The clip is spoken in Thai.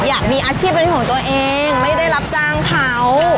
อยากมีอาชีพเป็นของตัวเองไม่ได้รับจ้างเขา